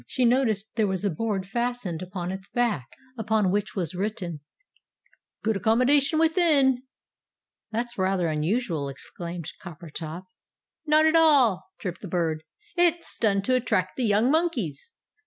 She noticed that there was a board fastened on to its back, upon which was written "GOOD ACCOMMODATION WITHIN!" "That's rather unusual!" exclaimed Coppertop. "Not at all!" chirped the Bird. "It's done to attract the young monkeys."